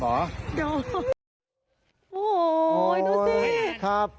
โอ้โฮดูสิ